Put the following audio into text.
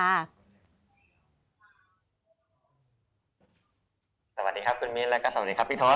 สวัสดีครับคุณมิ้นแล้วก็สวัสดีครับพี่ทศ